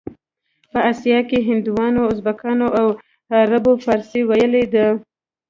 په اسیا کې هندوانو، ازبکانو او عربو فارسي ویلې ده.